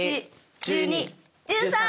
１２１３！